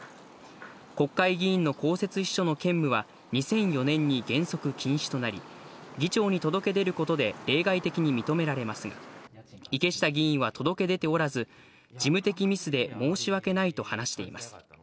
国会議員の公設秘書の兼務は２００４年に原則禁止となり、議長に届け出ることで例外的に認められますが、池下議員は届け出ておらず、事務的ミスで申し訳ないと話しています。